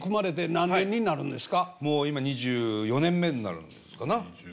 もう今２４年目になるんですかな？